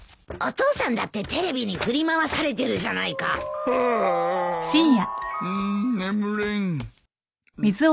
お父さんだってテレビに振り回されてるじゃないか眠れん。